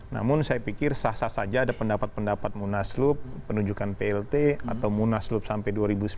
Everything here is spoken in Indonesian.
namun saya pikir sah sah saja ada pendapat pendapat munaslup penunjukan plt atau munaslup sampai dua ribu sembilan belas